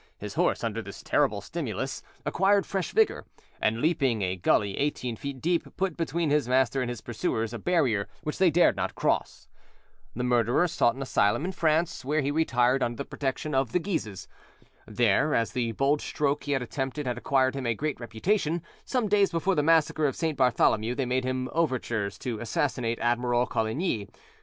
His horse, under this terrible stimulus, acquired fresh vigour, and, leaping a gully eighteen feet deep, put between his master and his pursuers a barrier which they dared not cross. The murderer sought an asylum in France, where he retired under the protection of the Guises. There, as the bold stroke he had attempted had acquired him a great reputation, some days before the Massacre of St. Bartholomew, they made him overtures to assassinate Admiral Coligny.